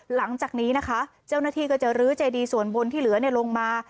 หลังจากนี้นะคะเจ้าหน้าที่ก็จะลื้อเจดีส่วนบนที่เหลือลงมา